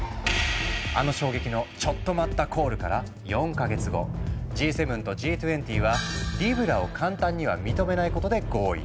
あの衝撃のチョット待ったコールから４か月後Ｇ７とＧ２０はリブラを簡単には認めないことで合意。